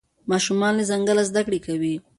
ماشومان له ځنګله زده کړه کوي.